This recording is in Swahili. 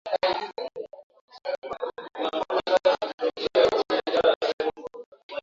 ni shabaha kwa maendeleo ya Gold Coast Lakini Nkrumah alifuata mwelekeo wa Marcus Garvey